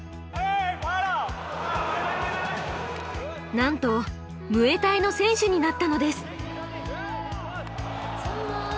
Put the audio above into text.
なんとムエタイの選手になったのです。